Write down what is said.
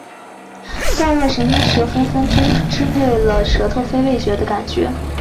下颌神经舌分支支配了舌头非味觉的感觉